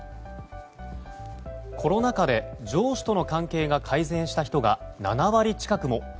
コロナ禍で上司との関係が改善した人が７割近くも。